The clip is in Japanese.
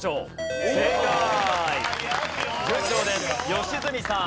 良純さん。